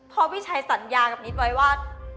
เพราะพี่ชัยสัญญากับนิดไว้ว่า